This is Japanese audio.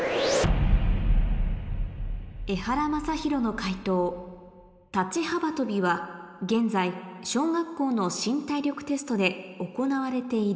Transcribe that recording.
エハラマサヒロの解答立ち幅とびは現在小学校の新体力テストで行われている